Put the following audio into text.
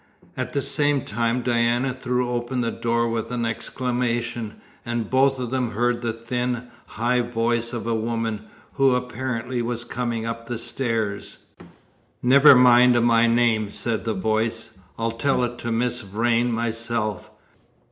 At the same time Diana threw open the door with an exclamation, and both of them heard the thin, high voice of a woman, who apparently was coming up the stairs. "Never mind my name," said the voice, "I'll tell it to Miss Vrain myself.